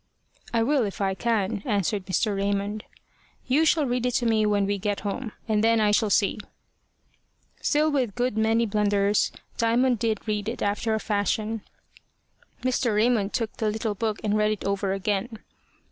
"I will if I can," answered Mr. Raymond. "You shall read it to me when we get home, and then I shall see." Still with a good many blunders, Diamond did read it after a fashion. Mr. Raymond took the little book and read it over again.